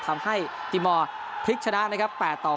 ทำให้ตีมอลพลิกชนะนะครับ๘๖